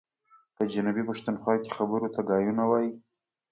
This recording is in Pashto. په جنوبي پښتونخوا کي خبرو ته ګايونه وايي.